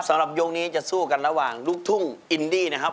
สำหรับยกนี้จะสู้กันระหว่างลูกทุ่งอินดี้นะครับ